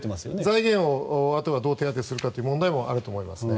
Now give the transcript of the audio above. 財源をあとはどう手当てするかという問題もあります。